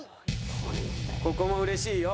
ここもうれしいよ。